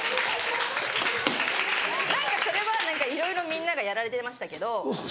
何かそれはいろいろみんながやられてましたけど。